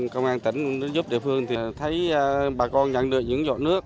công an tỉnh cũng đã giúp địa phương thấy bà con nhận được những giọt nước